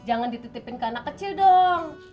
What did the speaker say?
jangan dititipin ke anak kecil dong